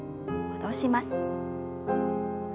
戻します。